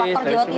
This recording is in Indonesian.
faktor jawa timur